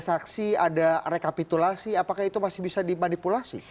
saksi ada rekapitulasi apakah itu masih bisa dimanipulasi